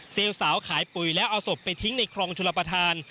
เซลสาวขายปุ๋ยและเอาศพไปทิ้งในครองชุลปทาน